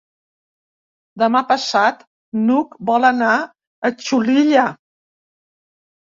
Demà passat n'Hug vol anar a Xulilla.